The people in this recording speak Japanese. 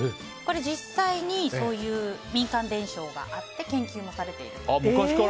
実際にそういう民間伝承があって研究もされていると。